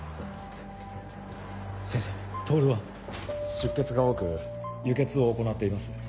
出血が多く輸血を行っています。